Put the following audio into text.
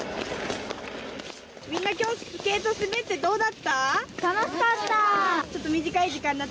みんな、きょうスケート滑って、どうだった。